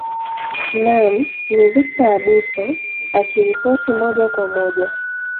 naam ni victor abuso akiripoti moja kwa moja